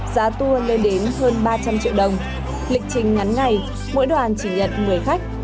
giá tour lên đến hơn ba trăm linh triệu đồng lịch trình ngắn ngày mỗi đoàn chỉ nhận một mươi khách